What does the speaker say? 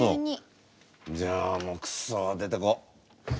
じゃあもうくっそ出てこ。